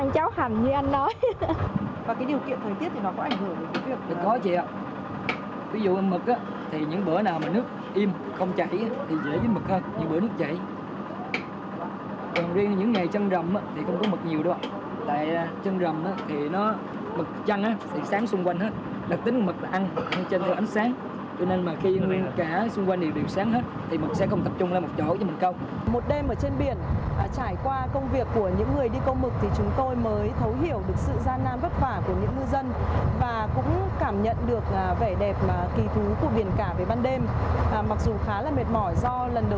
chắc chắn rằng đây sẽ là một kỷ niệm vô cùng đáng nhớ